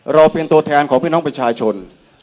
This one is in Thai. เราเป็นตัวแทนของพี่น้องประชาชน